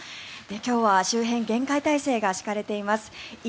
今日は周辺厳戒態勢が敷かれています。